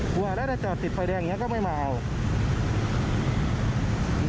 กลัวแน่นักจอดสิทธิ์ไฟแดงอย่างเนี้ยก็ไม่มาเอา